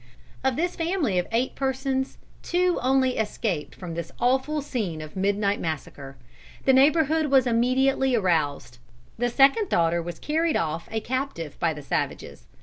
Of this family of eight persons two only escaped from this awful scene of midnight massacre. The neighborhood was immediately aroused. The second daughter was carried off a captive by the savages.